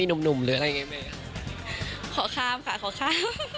หนุ่มหนุ่มหรืออะไรอย่างเงี้แม่ขอข้ามค่ะขอข้าม